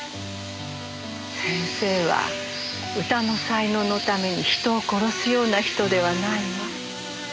先生は歌の才能のために人を殺すような人ではないわ。